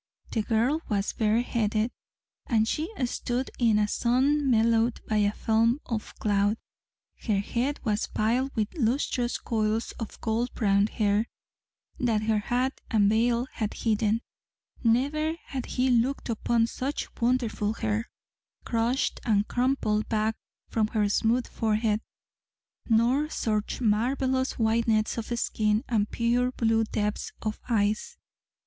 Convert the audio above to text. The girl was bareheaded, and she stood in a sun mellowed by a film of cloud. Her head was piled with lustrous coils of gold brown hair that her hat and veil had hidden. Never had he looked upon such wonderful hair, crushed and crumpled back from her smooth forehead; nor such marvellous whiteness of skin and pure blue depths of eyes!